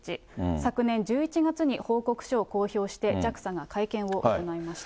昨年１１月に報告書を公表して、ＪＡＸＡが会見を行いました。